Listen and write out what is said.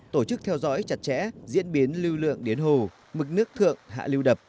tổ chức theo dõi chặt chẽ diễn biến lưu lượng đến hồ mực nước thượng hạ lưu đập